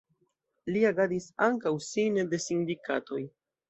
Li agadis ankaŭ sine de sindikatoj.